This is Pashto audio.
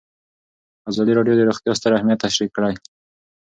ازادي راډیو د روغتیا ستر اهميت تشریح کړی.